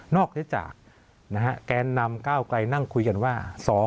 ได้จากแกนนำก้าวไกลนั่งคุยกันว่า